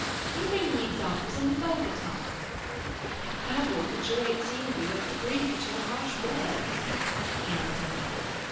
'You bring me examples in the vulgar tongue!' 'I babble for joy at seeing you and for grief at your harsh words,' he answered.